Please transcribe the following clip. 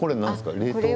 冷凍？